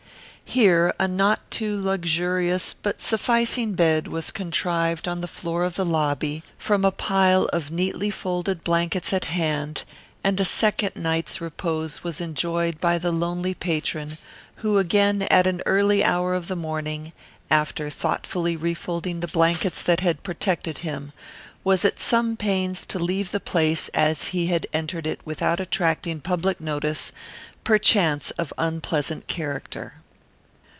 Here a not too luxurious but sufficing bed was contrived on the floor of the lobby from a pile of neatly folded blankets at hand, and a second night's repose was enjoyed by the lonely patron, who again at an early hour of the morning, after thoughtfully refolding the blankets that had protected him, was at some pains to leave the place as he had entered it without attracting public notice, perchance of unpleasant character.